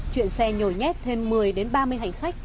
chuyện xe nhồi nhét thêm một mươi ba mươi hành khách